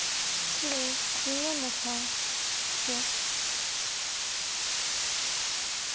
白１４の三ツケ。